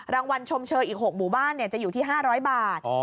รางวัลชมเชยอีก๖หมู่บ้านเนี่ยจะอยู่ที่๕๐๐บาท